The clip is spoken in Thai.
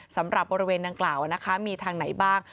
สำหรับบริเวณดังกล่าวนะคะมีทางไหนบ้าง